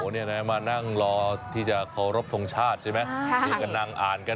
อ๋อนี่ไหมมานั่งรอที่จะเคารพทงฌาติใช่ไหม